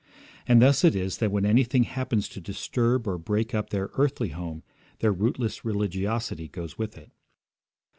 And thus it is that when anything happens to disturb or break up their earthly home their rootless religiosity goes with it.